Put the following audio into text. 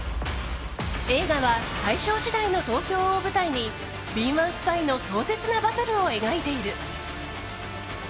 映画は大正時代の東京を舞台に敏腕スパイの壮絶なバトルが描いている。